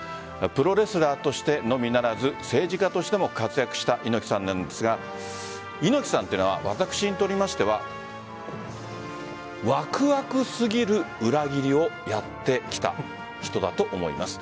プロレスラーとしてのみならず政治家としても活躍した猪木さんなんですが猪木さんというのは私にとりましてはわくわくすぎる裏切りをやってきた人だと思います。